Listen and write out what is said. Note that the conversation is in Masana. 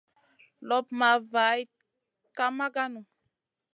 Loɓ ma vayd ka maganou.